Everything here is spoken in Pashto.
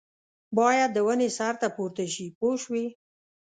باید د ونې سر ته پورته شي پوه شوې!.